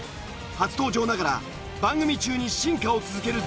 初登場ながら番組中に進化を続けるＺＡＺＹ。